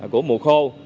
của mùa khô